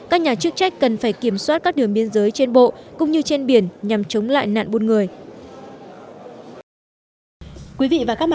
các nhà chức trách cần phải kiểm soát các đường biên giới trên bộ cũng như trên biển nhằm chống lại nạn buôn người